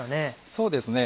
そうですね。